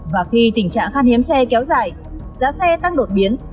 và khi tình trạng khăn hiếm xe kéo dài giá xe tăng đột biến